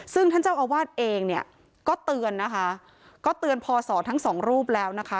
ซึ่งท่านเจ้าอาวาสเองเนี่ยก็เตือนนะคะก็เตือนพอสอทั้งสองรูปแล้วนะคะ